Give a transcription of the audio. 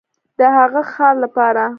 د هغه ښار لپاره